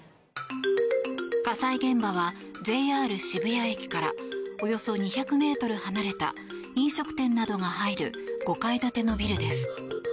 火災現場はＪＲ渋谷駅からおよそ２００ｍ離れた飲食店などが入る５階建てのビルです。